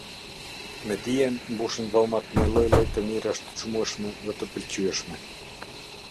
Me dijen mbushen dhomat me lloj lloj të mirash të çmueshme dhe të pëlqyeshme.